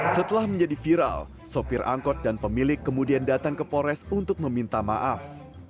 setelah menjadi viral sopir angkot dan pemilik kemudian datang ke pores untuk meminta maaf